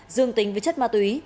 dương tình với chất ma túy